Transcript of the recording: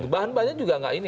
bahan bahannya juga nggak ini